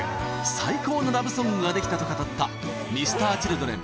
最高のラブソングができたと語ったＭｒ．Ｃｈｉｌｄｒｅｎ